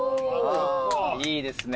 いいですね。